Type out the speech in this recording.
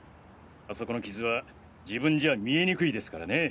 あそこの傷は自分じゃ見えにくいですからね。